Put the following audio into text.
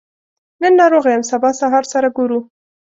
نن ناروغه يم سبا سهار سره ګورو